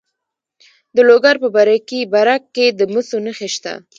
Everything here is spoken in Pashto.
د لوګر په برکي برک کې د مسو نښې شته.